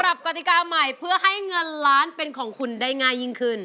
กติกาใหม่เพื่อให้เงินล้านเป็นของคุณได้ง่ายยิ่งขึ้น